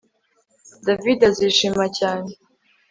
David azishima cyane